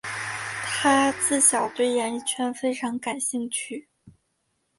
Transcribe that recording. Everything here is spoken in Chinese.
她自小对演艺圈非常感兴趣。